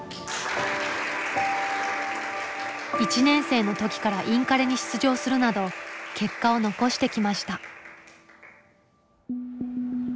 １年生の時からインカレに出場するなど結果を残してきました。